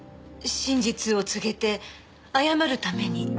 真実を告げて謝るために。